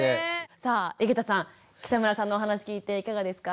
さあ井桁さん北村さんのお話聞いていかがですか？